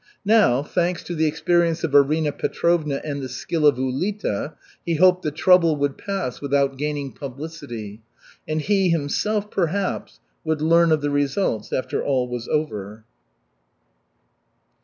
Now, thanks to the experience of Arina Petrovna and the skill of Ulita, he hoped the "trouble" would pass without gaining publicity, and he himself, perhaps, would learn of the results after all was over.